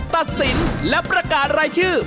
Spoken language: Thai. ตัดสินและประกาศรายชื่อ